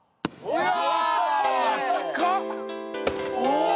うわ！